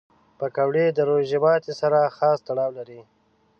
پکورې د روژه ماتي سره خاص تړاو لري